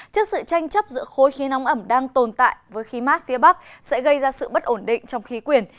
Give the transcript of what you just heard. trước sự tranh chấp giữa khối khí nóng ẩm đang tồn tại với khí mát phía bắc sẽ gây ra sự bất ổn định trong khí quyển